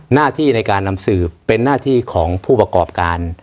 หน้าที่ในการนำสืบเป็นหน้าที่ของผู้ประกอบการ